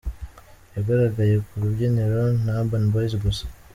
yagaragaye ku rubyiniro na Urban Boyz gusa.